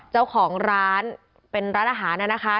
เจ้าของร้านเป็นร้านอาหารนะคะ